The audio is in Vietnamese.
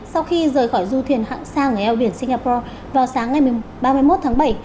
sau khi rời khỏi du thuyền hạng sang ngay eo biển singapore vào sáng ngày ba mươi một tháng bảy